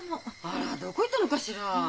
あらどこ行ったのかしら？